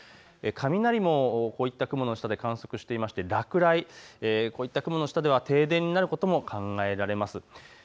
雷もこういった雲の下で観測していまして落雷、こういった雲の下では停電になることも考えられます。